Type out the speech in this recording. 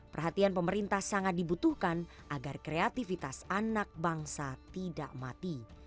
perhatian pemerintah sangat dibutuhkan agar kreativitas anak bangsa tidak mati